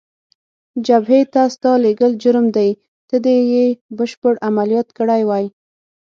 جبهې ته ستا لېږل جرم دی، ته دې یې بشپړ عملیات کړی وای.